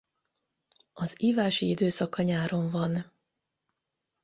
Az ívási időszaka nyáron van.